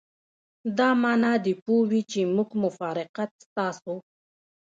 دا معنی دې پوه وي چې موږ مفارقت ستاسو.